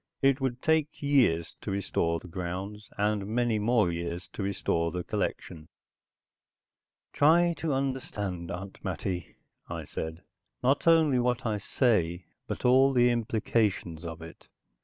It would take years to restore the grounds, and many more years to restore the collection. "Try to understand, Aunt Mattie," I said. "Not only what I say, but all the implications of it.